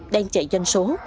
đang chạy danh số